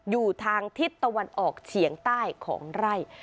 อยู่ทางทิศตะวันออกเฉียงใต้ของไร่